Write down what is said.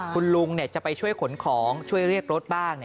คุณลุงจะไปช่วยขนของช่วยเรียกรถบ้าง